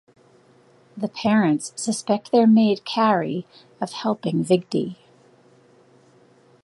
The parents suspect their maid Kari of helping Vigdis.